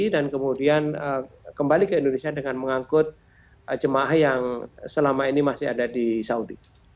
dan kemudian kembali ke indonesia dengan mengangkut jemaah yang selama ini masih ada di saudi